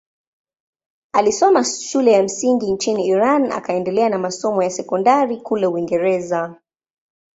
Alisoma shule ya msingi nchini Iran akaendelea na masomo ya sekondari kule Uingereza.